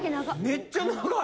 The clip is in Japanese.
めっちゃ長い。